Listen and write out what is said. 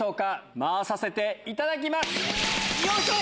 回させていただきます。